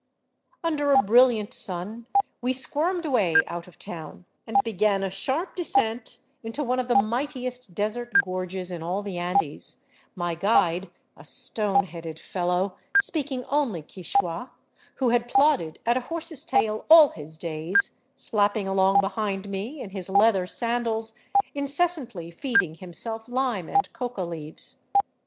Under a brilliant sun we squirmed away out of town, and began a sharp descent into one of the mightiest desert gorges in all the Andes, my " guide,'* a stone headed fellow, speaking only Quichua, who had plodded at a horse's tail all his days, slapping along behind me in his leather sandals, incessantly feeding himself lime and coca leaves.